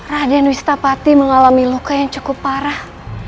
raden wistapati mengalami luka yang cukup parah